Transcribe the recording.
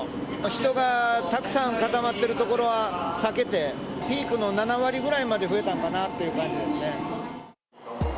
人がたくさん固まっている所は避けて、ピークの７割ぐらいまで増えたのかなという感じですね。